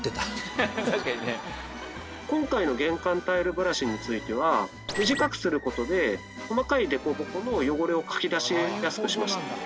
今回の玄関タイルブラシについては短くする事で細かい凸凹の汚れをかき出しやすくしました。